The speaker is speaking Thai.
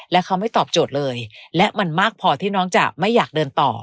และเขาไม่ตอบโจทย์เลยและมันมากพอที่น้องจะไม่อยากเดินต่อ